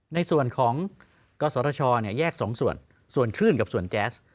ในส่วนของกศชแยก๒ส่วนส่วนคลื่นกับส่วนแก๊ส